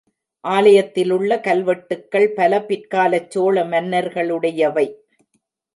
ஆலயத்திலுள்ள கல்வெட்டுக்கள் பல பிற்காலச் சோழ மன்னர்களுடையவை.